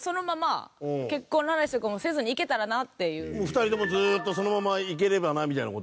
２人もずっとそのままいければなみたいな事？